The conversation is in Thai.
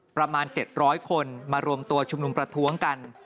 ประมาณ๗๐๐คนมารวมตัวชุมนุมประท้วงกัน